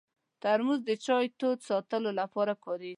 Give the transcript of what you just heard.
ترموز د چای تود ساتلو لپاره کارېږي.